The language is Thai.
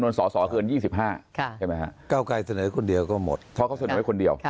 กล้าวไกรเสนอคนเดียวก็หมดเพราะเขาเสนอคนเดียว